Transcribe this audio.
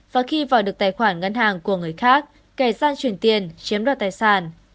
và khi vào được tài khoản ngân hàng của người khác cài gian truyền tiền chiếm đoạt tài sản